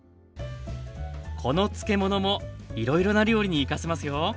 この漬物もいろいろな料理に生かせますよ。